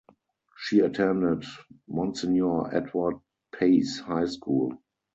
She attended Monsignor Edward Pace High School.